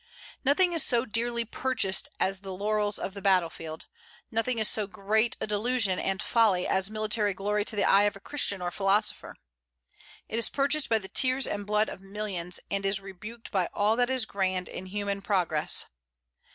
Nothing is so dearly purchased as the laurels of the battlefield; nothing is so great a delusion and folly as military glory to the eye of a Christian or philosopher. It is purchased by the tears and blood of millions, and is rebuked by all that is grand in human progress.